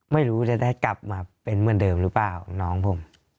ไม่รู้จะได้กลับมาเป็นเหมือนเดิมหรือเปล่าน้องผม